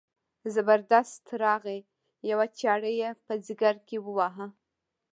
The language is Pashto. زبردست راغی یوه چاړه یې په ځګر کې وواهه.